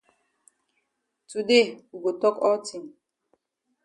Today we go tok all tin.